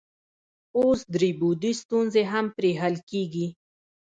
اوس درې بعدي ستونزې هم پرې حل کیږي.